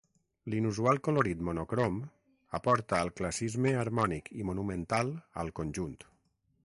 L'inusual colorit monocrom aporta al classisme harmònic i monumental al conjunt.